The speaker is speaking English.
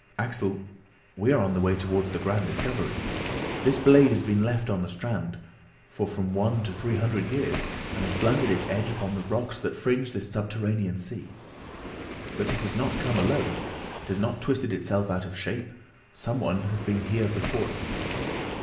"Axel, we are on the way towards the grand discovery. This blade has been left on the strand for from one to three hundred years, and has blunted its edge upon the rocks that fringe this subterranean sea!" "But it has not come alone. It has not twisted itself out of shape; some one has been here before us!